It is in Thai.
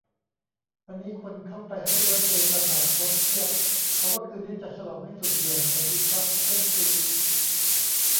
วันนี้คนเข้าไปแฮปปี้เบิร์ธเดย์ "ตถาคต" เพียบ เขาว่าคืนนี้จะฉลองให้สุดเหวี่ยงกะจีซัสเพื่อนซี้